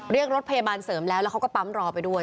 เรียกรถพยาบาลเสริมแล้วแล้วเขาก็ปั๊มรอไปด้วย